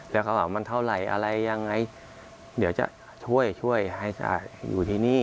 แล้วก็บอกว่ามันเท่าไหร่อะไรยังไงเดี๋ยวจะช่วยอยู่ที่นี่